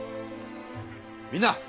みんな！